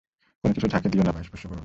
কোনো কিছু ঝাঁকি দিয়ো না বা স্পর্শ করো না।